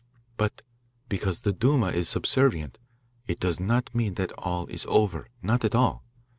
"But because the Duma is subservient, it does not mean that all is over. Not at all.